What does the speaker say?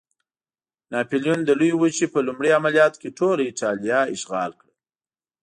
ناپلیون د لویې وچې په لومړي عملیاتو کې ټوله اېټالیا اشغال کړه.